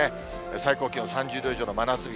最高気温、３０度以上の真夏日。